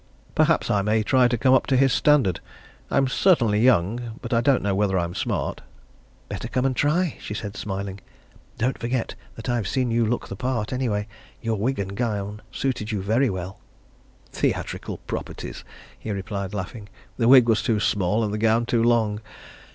Perhaps I may try to come up to his standard I'm certainly young, but I don't know whether I'm smart." "Better come and try," she said, smiling. "Don't forget that I've seen you look the part, anyway your wig and gown suited you very well." "Theatrical properties," he replied, laughing. "The wig was too small, and the gown too long.